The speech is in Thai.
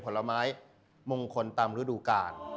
ผลไม้มงคลตามฤดูกาล